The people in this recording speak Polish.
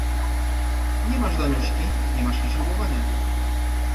"Nie masz Danuśki, nie masz i ślubowania."